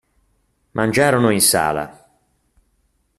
Mangiarono in sala.